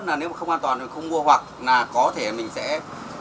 thứ nhất là nếu không an toàn thì không mua hoặc là có thể mình sẽ